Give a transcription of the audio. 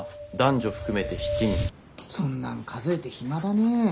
そんなん数えて暇だねえ。